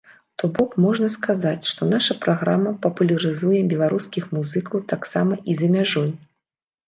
То бок, можна сказаць, што наша праграма папулярызуе беларускіх музыкаў таксама і за мяжой.